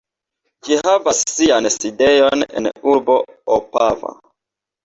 Ĝi havas sian sidejon en urbo Opava.